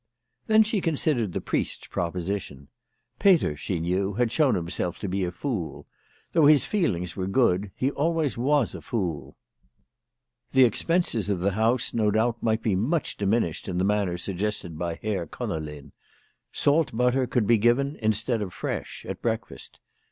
Then she considered the priest's proposition. Peter, she knew, had shown himself to be a fool. Though his feelings were good, he always was a fool. The ex penses of the house no doubt might be much diminished in the manner suggested by Herr Conolin. Salt butter could be given instead of fresh at breakfast.